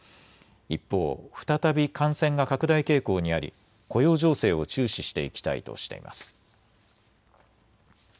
一方、再び感染が拡大傾向にあり雇用情勢を注視していきたいとしています。